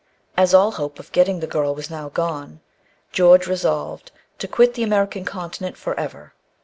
As all hope of getting the girl was now gone, George resolved to quit the American continent for ever.